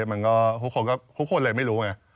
ทุกคนเลยไม่รู้ไง